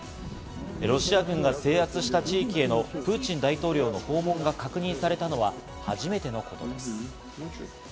ロシア軍が制圧した地域へのプーチン大統領の訪問が確認されたのは初めてのことです。